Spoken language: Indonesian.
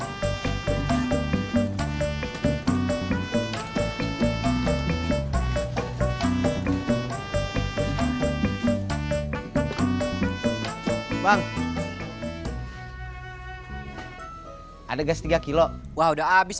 assalamualaikum warahmatullahi wabarakatuh